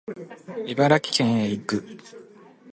茨城県へ行く